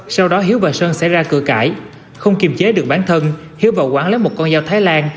sau đó hiếu và sơn xảy ra cửa cãi không kiềm chế được bản thân hiếu vào quán lấy một con dao thái lan